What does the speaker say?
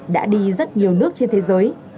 đã đi rất nhiều nước trên thế giới